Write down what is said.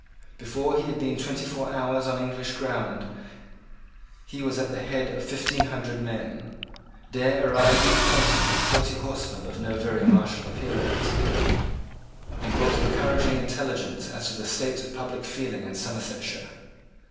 Before he had been twenty four hours on English ground he was at the head of fifteen hundred men. Dare arrived from Taunton with forty horsemen of no very martial appearance, and brought encouraging intelligence as to the state of public feeling in Somersetshire.